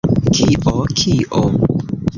Kio? Kio?